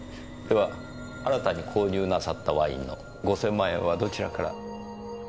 では新たに購入なさったワインの５０００万円はどちらから？